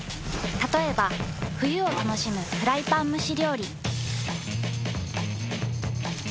たとえば冬を楽しむフライパン蒸し料理。